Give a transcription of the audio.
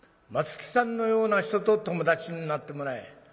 松木さんのような人と友達になってもらえ。